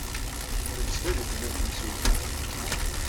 La tettnadi fell-am temsulta.